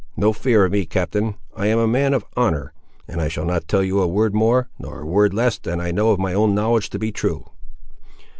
No fear of me, captain; I am a man of honour, and I shall not tell you a word more, nor a word less than I know of my own knowledge to be true."